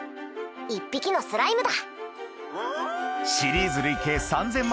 一匹のスライムだ。